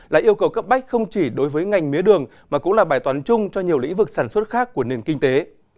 là yêu cầu cấp bách không chỉ đối với ngành mía đường mà cũng là bài toán chung cho nhiều lĩnh vực sản xuất khác của nền kinh tế